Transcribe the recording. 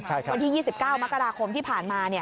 วันที่๒๙มกราคมที่ผ่านมา